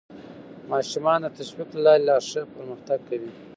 ماشومان د تشویق له لارې لا ښه پرمختګ کوي